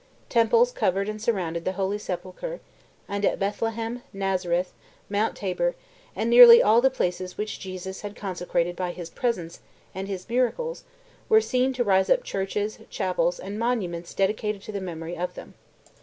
Temples covered and surrounded the Holy Sepulchre; and at Bethlehem, Nazareth, Mount Tabor, and nearly all the places which Jesus had consecrated by His presence and His miracles were seen to rise up churches, chapels, and monuments dedicated to the memory of them.